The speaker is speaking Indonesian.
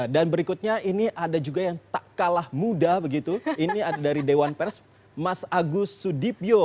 dan berikutnya ini ada juga yang tak kalah muda begitu ini dari dewan pers mas agus sudipyo